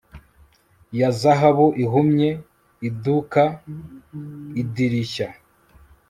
ya zahabu ihumye idukaidirishya